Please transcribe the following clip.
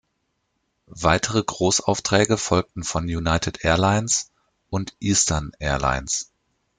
Weitere Großaufträge folgten von "United Air Lines" und "Eastern Air Lines".